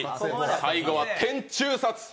最後は天中殺。